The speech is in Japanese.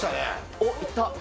おっ、いった。